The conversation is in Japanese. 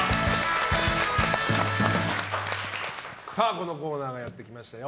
このコーナーがやってきましたよ。